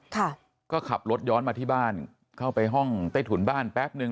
ค่ะก็ขับรถย้อนมาที่บ้านเข้าไปห้องใต้ถุนบ้านแป๊บนึง